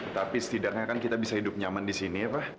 tapi setidaknya kan kita bisa hidup nyaman di sini